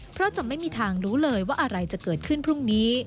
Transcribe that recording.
เพราะจะไม่มีทางรู้เลยว่าอะไรจะเกิดขึ้นพรุ่งนี้